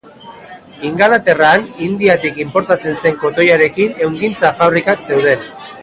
Inglaterran Indiatik inportatzen zen kotoiarekin ehungintza fabrikak zeuden.